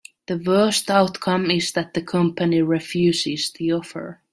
The worst outcome is that the company refuses the offer.